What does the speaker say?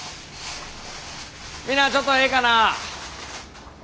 みんなちょっとええかな。